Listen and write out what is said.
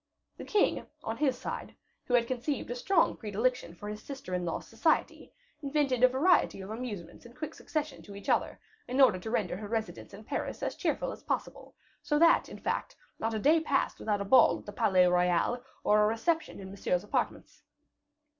The king, on his side, who had conceived a strong predilection for his sister in law's society, invented a variety of amusements, in quick succession to each other, in order to render her residence in Paris as cheerful as possible, so that in fact, not a day passed without a ball at the Palais Royal, or a reception in Monsieur's apartments.